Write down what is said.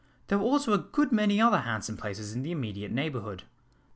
There were also a good many other handsome places in the immediate neighbourhood.